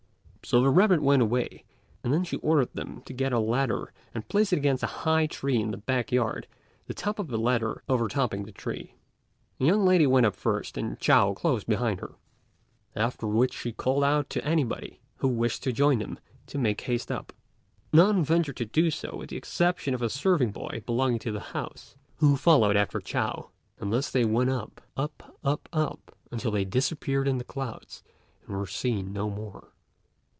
So the rabbit went away, and then she ordered them to get a ladder and place it against a high tree in the back yard, the top of the ladder overtopping the tree. The young lady went up first and Chao close behind her; after which she called out to anybody who wished to join them to make haste up. None ventured to do so with the exception of a serving boy belonging to the house, who followed after Chao; and thus they went up, up, up, up, until they disappeared in the clouds and were seen no more.